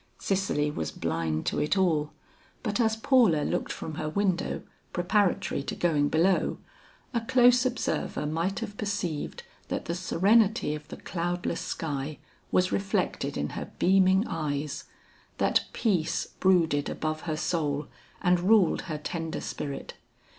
Cicely was blind to it all, but as Paula looked from her window preparatory to going below, a close observer might have perceived that the serenity of the cloudless sky was reflected in her beaming eyes, that peace brooded above her soul and ruled her tender spirit.